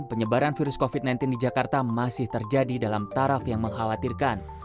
penyebaran virus covid sembilan belas di jakarta masih terjadi dalam taraf yang mengkhawatirkan